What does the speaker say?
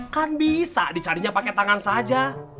kan bisa dicarinya pakai tangan saja